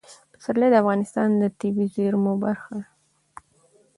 پسرلی د افغانستان د طبیعي زیرمو برخه ده.